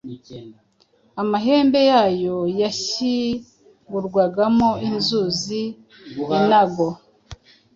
Amahembe yayo yashyingurwagamo inzuzi, inago,